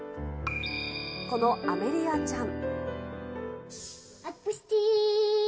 このアメリアちゃん。